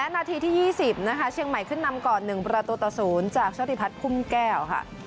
นาทีที่๒๐เชียงใหม่ขึ้นนำก่อน๑ประตูตะศูนย์จากช้อธิพัฒน์พุ่มแก้ว